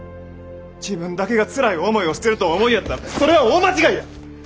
自分だけがつらい思いをしてるとお思いやったらそれは大間違いや！